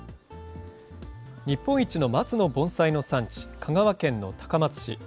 日本一の松の盆栽の産地、香川県の高松市。